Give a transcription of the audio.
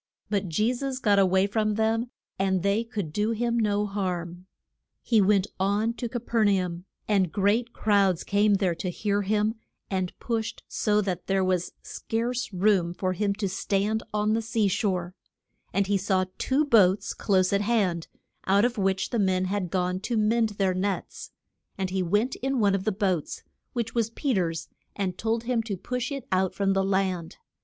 But Je sus got a way from them, and they could do him no harm. [Illustration: TWO PA GES of THE SAM AR I TAN PENT A TEUCH.] He went on to Ca per na um, and great crowds came there to hear him, and pushed so that there was scarce room for him to stand on the sea shore. And he saw two boats close at hand, out of which the men had gone to mend their nets. And he went in one of the boats, which was Pe ter's and told him to push it out from the land.